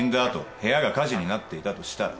「部屋が火事になっていた」としたら？